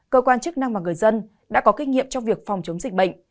cơ quan chức năng và người dân đã có kinh nghiệm trong việc phòng chống dịch bệnh